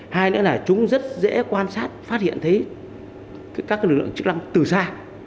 hai nữa là chúng rất dễ quan sát phát hiện thấy các lực lượng chức năng từ xa